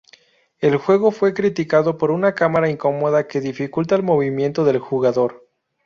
El juego fue criticado por una cámara incómoda que dificulta el movimiento del jugador.